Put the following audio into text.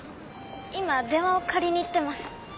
今電話を借りに行ってます。